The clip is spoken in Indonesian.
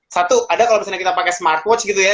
satu ada kalau misalnya kita pakai smartwatch gitu ya